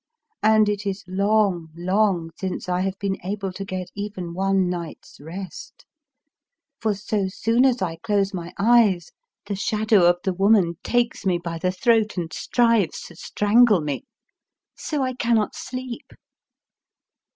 And it is long, long since I have been able to get even one night's rest. For so soon as I close my eyes, the Shadow of the woman takes me by the throat and strives to strangle me. So I cannot sleep.